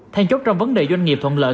thanh chốt trong vấn đề doanh nghiệp thuận lợi